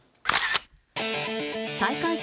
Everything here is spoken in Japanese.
戴冠式